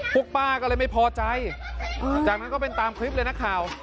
ป้าก็เลยไม่พอใจจากนั้นก็เป็นตามคลิปเลยนักข่าว